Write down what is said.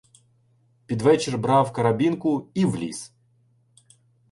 Під вечір брав карабінку і — в ліс.